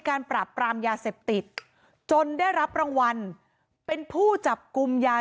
ปราบปรามยาเสพติดจนได้รับรางวัลเป็นผู้จับกลุ่มยา